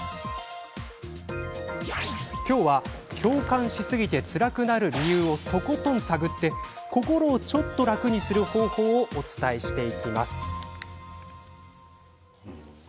今日は共感しすぎてつらくなる理由をとことん探って心をちょっと楽にする方法をお伝えしていきます。